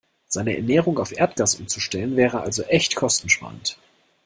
Seine Ernährung auf Erdgas umzustellen, wäre also echt kostensparend.